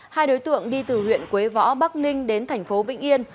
hai đối tượng đi từ huyện quế võ bắc ninh đến thành phố vĩnh yên